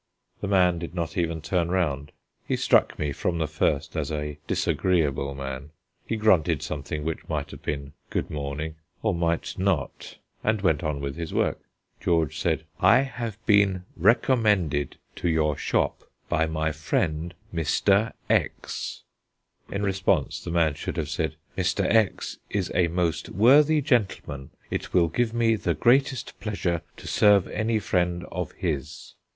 The man did not even turn round. He struck me from the first as a disagreeable man. He grunted something which might have been "Good morning," or might not, and went on with his work. George said: "I have been recommended to your shop by my friend, Mr. X." In response, the man should have said: "Mr. X. is a most worthy gentleman; it will give me the greatest pleasure to serve any friend of his."